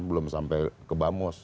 belum sampai ke bamus